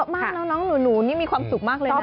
มากน้องหนูนี่มีความสุขมากเลยนะ